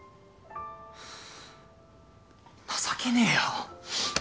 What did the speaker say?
情けねえよ。